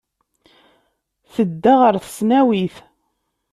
Tedda ɣer tesnawit.